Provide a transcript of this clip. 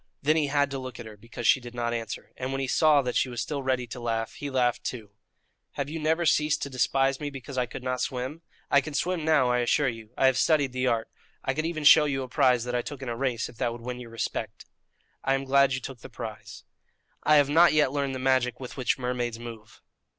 Then he had to look at her because she did not answer, and when he saw that she was still ready to laugh, he laughed, too. "Have you never ceased to despise me because I could not swim? I can swim now, I assure you. I have studied the art. I could even show you a prize that I took in a race, if that would win your respect." "I am glad you took the prize." "I have not yet learned the magic with which mermaids move."